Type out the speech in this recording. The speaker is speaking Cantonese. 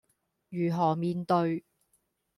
如何面對